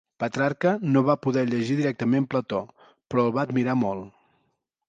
Petrarca no va poder llegir directament Plató, però el va admirar molt.